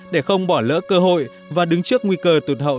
để không bỏ lỡ cơ hội và đứng trước nguy cơ tụt hậu